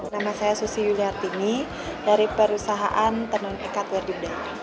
nama saya susi yuliartini dari perusahaan tenun ekat werdimda